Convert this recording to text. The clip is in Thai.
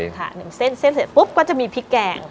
ค่ะ๑เส้นเส้นเสร็จปุ๊บก็จะมีพริกแกง